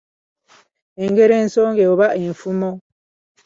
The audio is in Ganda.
Engero ensonge oba enfumo